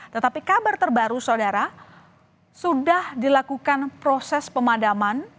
tetapi kabar terbaru saudara sudah dilakukan proses pemadaman